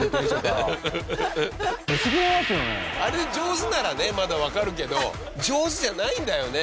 あれで上手ならねまだわかるけど上手じゃないんだよね